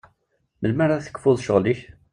Melmi ara tekfuḍ ccɣel-ik?